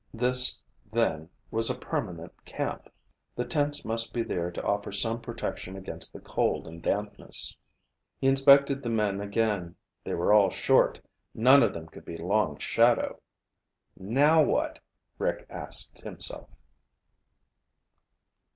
This, then, was a permanent camp! The tents must be there to offer some protection against the cold and dampness. He inspected the men again. They were all short. None of them could be Long Shadow. "Now what?" Rick asked himself.